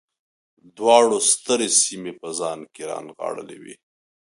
دواړو سترې سیمې په ځان کې رانغاړلې وې